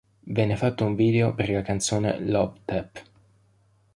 Venne fatto un video per la canzone "Love Tap".